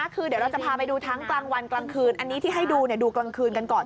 คือเดี๋ยวเราจะพาไปดูทั้งกลางวันกลางคืนอันนี้ที่ให้ดูดูกลางคืนกันก่อน